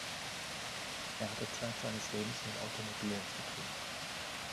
Er hatte zeit seines Lebens mit Automobilen zu tun.